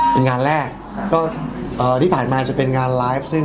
เป็นงานแรกก็ที่ผ่านมาจะเป็นงานไลฟ์